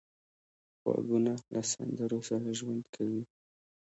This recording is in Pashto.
غوږونه له سندرو سره ژوند کوي